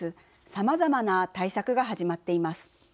さまざまな対策が始まっています。